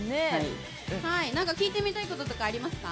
聞いてみたいこととかありますか。